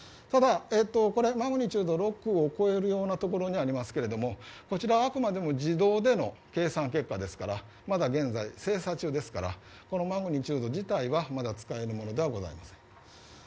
ただ、マグニチュード６を超えるところにありますけれどもこちらは、あくまで自動での計算結果ですからまだ現在、精査中ですからこのマグニチュード自体は使えるものではありません。